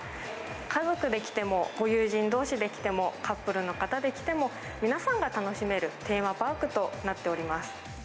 家族で来ても、ご友人どうしで来ても、カップルの方で来ても、皆さんが楽しめるテーマパークとなっております。